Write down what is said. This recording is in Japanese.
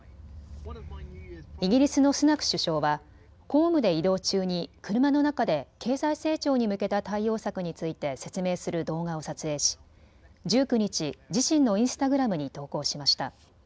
イギリスのスナク首相は公務で移動中に車の中で経済成長に向けた対応策について説明する動画を撮影し１９日、自身のインスタグラムに投稿しました。